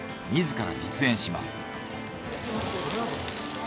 自ら実演します。